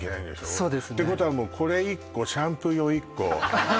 そうですねってことはこれ１個シャンプー用１個